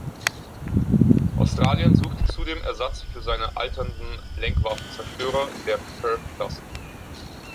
Australien suchte zudem Ersatz für seine alternden Lenkwaffenzerstörer der Perth-Klasse.